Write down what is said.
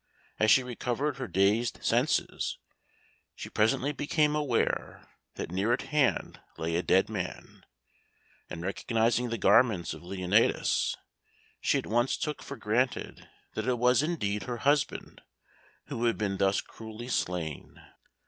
As she recovered her dazed senses, she presently became aware that near at hand lay a dead man, and recognising the garments of Leonatus, she at once took for granted that it was indeed her husband who had been thus cruelly slain.